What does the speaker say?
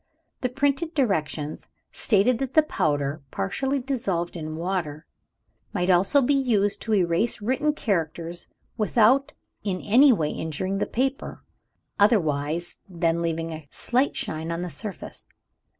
The printed directions stated that the powder, partially dissolved in water, might also be used to erase written characters without in any way injuring the paper, otherwise than by leaving a slight shine on the surface.